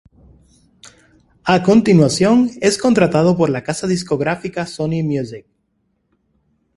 A continuación es contratado por la casa discográfica Sony Music.